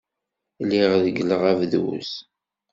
Lliɣ reggleɣ abduz.